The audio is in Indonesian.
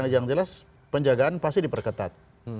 yang jelas penjagaan pasti diperketat